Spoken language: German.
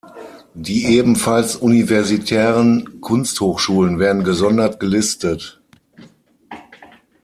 Die ebenfalls universitären Kunsthochschulen werden gesondert gelistet.